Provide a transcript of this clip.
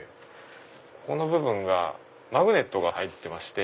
この部分マグネットが入ってまして。